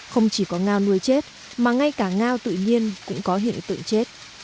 không chỉ có ngao nuôi chết mà ngay cả ngao tự nhiên cũng có hiện tượng chết